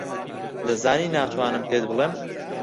دەزانی ناتوانم پێت بڵێم.